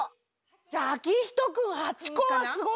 じゃああきひとくん８こはすごい！